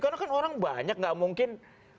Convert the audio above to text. karena kan orang banyak gak mungkin